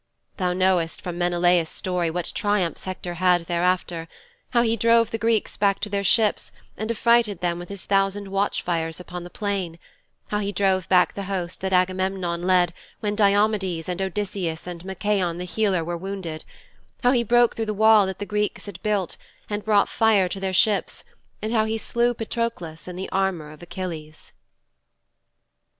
Thou knowst from Menelaus' story what triumphs Hector had thereafter how he drove the Greeks back to their ships and affrighted them with his thousand watch fires upon the plain; how he drove back the host that Agamemnon led when Diomedes and Odysseus and Machaon the healer were wounded; how he broke through the wall that the Greeks had builded and brought fire to their ships, and how he slew Patroklos in the armour of Achilles.'